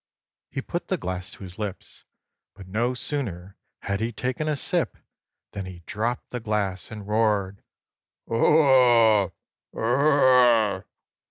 He put the glass to his lips, but, no sooner had he taken a sip, than he dropped the glass and roared: "Oh, burr r r r r!